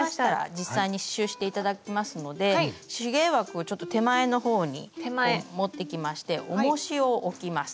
実際に刺しゅうして頂きますので手芸枠をちょっと手前のほうに持ってきましておもしを置きます。